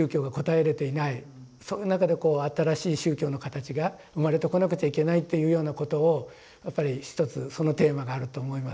そういう中で新しい宗教の形が生まれてこなくちゃいけないっていうようなことをやっぱりひとつそのテーマがあると思います。